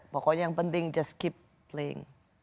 pokoknya yang penting just keep link